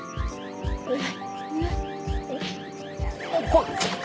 来い！